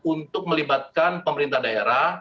untuk melibatkan pemerintah daerah